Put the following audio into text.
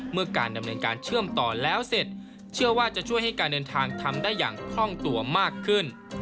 การดำเนินการเชื่อมต่อแล้วเสร็จเชื่อว่าจะช่วยให้การเดินทางทำได้อย่างคล่องตัวมากขึ้น